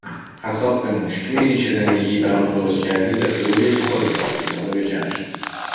خطاب به موش می بینی چه زندگی برامون درست کردی؟ دسته گلیه که خودت به آب دادی حالا بیا جمعش کن.